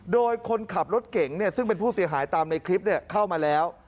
โดยคนขับรถเก่งซึ่งเป็นผู้เสียหายตามในคลิปเข้ามาแล้ว